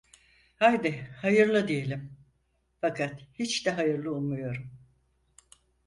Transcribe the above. Haydi hayırlı diyelim - Fakat hiç de hayırlı ummuyorum.